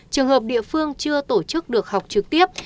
trường hợp địa phương chưa tổ chức được học trực tiếp